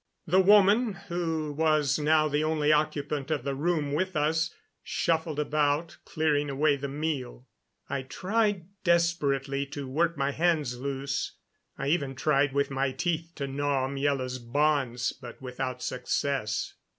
The woman, who was now the only occupant of the room with us, shuffled about, clearing away the meal. I tried desperately to work my hands loose; I even tried with my teeth to gnaw Miela's bonds, but without success.